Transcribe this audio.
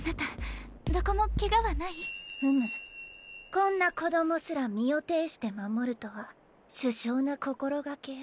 こんな子供すら身を挺して守るとは殊勝な心掛けよ。